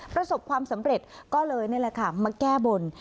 ประสบความสำเร็จก็เลยนี่แหละค่ะมาแก้บน